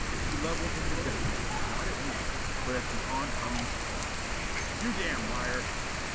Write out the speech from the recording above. He levelled the projector, not at me, but at the on coming Spawn. "You damn liar!"